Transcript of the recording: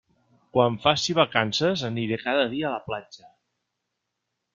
Quan faci vacances aniré cada dia a la platja.